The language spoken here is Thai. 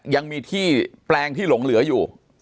ยังมีที่แปลงที่หลงเหลืออยู่